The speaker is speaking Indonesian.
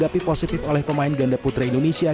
positif oleh pemain ganda putri indonesia